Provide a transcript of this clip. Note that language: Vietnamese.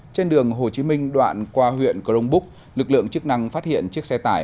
trên đường hồ chí minh đoạn qua huyện cờ rông búc lực lượng chức năng phát hiện chiếc xe tải